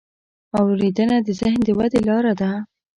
اورېدنه د ذهن د ودې لاره ده.